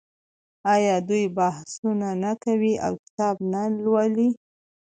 آیا دوی بحثونه نه کوي او کتاب نه لوالي؟